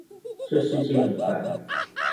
這世界很煩